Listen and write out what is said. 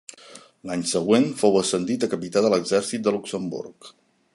L'any següent fou ascendit a capità de l'Exèrcit de Luxemburg.